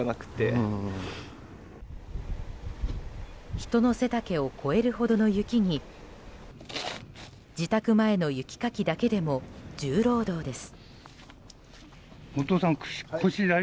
人の背丈を超えるほどの雪に自宅前の雪かきだけでも重労働です。